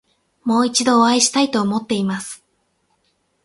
もう一度お会いしたいと思っています。